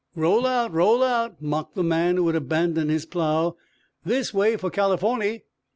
"Roll out! Roll out!" mocked the man who had abandoned his plow. "This way for Californy!"